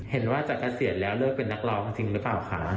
จากเกษียณแล้วเลิกเป็นนักร้องจริงหรือเปล่าคะ